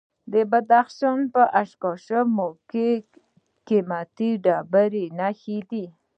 د بدخشان په اشکاشم کې د قیمتي ډبرو نښې دي.